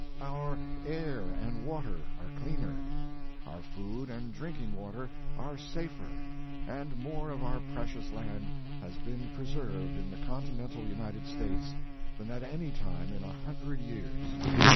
Our air and water are cleaner, our food and drinking water are safer and more of our precious land has been preserved in the Continental United States than at any time in a hundred years.